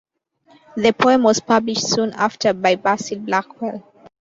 The poem was published soon after by Basil Blackwell.